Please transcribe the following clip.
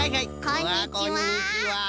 こんにちは。